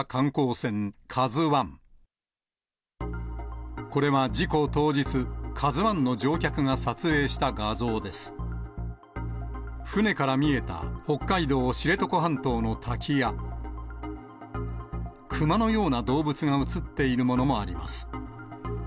船から見えた北海道知床半島の滝や、クマのような動物が写っているものもあります。